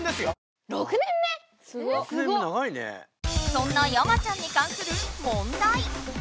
そんな山ちゃんにかんする問題！